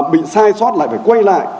bị sai xót lại phải quay lại